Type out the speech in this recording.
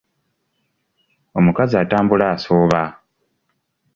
Omukazi atambula asooba.